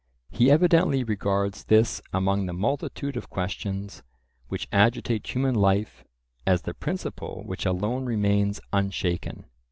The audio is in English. He evidently regards this "among the multitude of questions" which agitate human life "as the principle which alone remains unshaken."